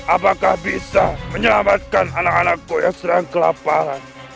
apakah bisa menyelamatkan anak anakku yang sedang kelaparan